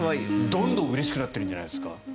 どんどんうれしくなっているんじゃないですか？